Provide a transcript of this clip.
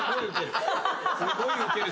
すごいウケる。